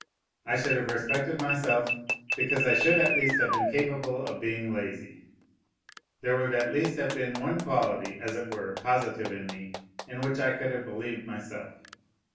I should have respected myself because I should at least have been capable of being lazy; there would at least have been one quality, as it were, positive in me, in which I could have believed myself.